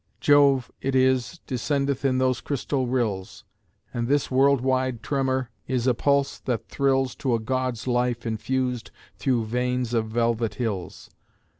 Jove, it is, descendeth In those crystal rills; And this world wide tremor Is a pulse that thrills To a god's life infused through veins of velvet hills.